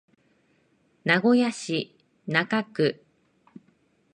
名古屋市中区